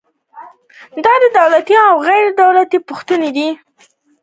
دا د دولتي او غیر دولتي بنسټونو لپاره دی.